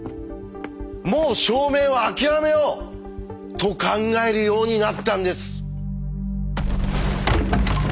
もう証明は諦めよう」と考えるようになったんです。